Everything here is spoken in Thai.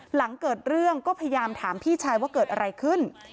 หลังเกิดเรื่องก็พยายามถามพี่ชายว่าเกิดอะไรขึ้น